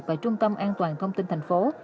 và trung tâm an toàn thông tin thành phố